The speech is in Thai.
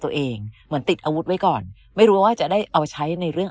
ตัวเองเหมือนติดอาวุธไว้ก่อนไม่รู้ว่าจะได้เอาใช้ในเรื่อง